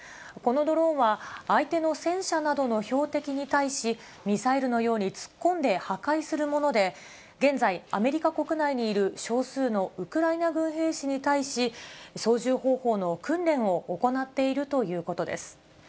このドローンは、相手の戦車などの標的に対し、ミサイルのように突っ込んで破壊するもので、現在、アメリカ国内にいる少数のウクライナ軍兵士に対し、操縦方法の訓練を行っているということです。